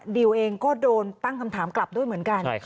ดิวเองก็โดนตั้งคำถามกลับด้วยเหมือนกัน